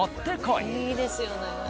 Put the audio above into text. いいですよね。